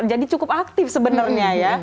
jadi cukup aktif sebenarnya ya